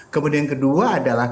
kemudian yang kedua adalah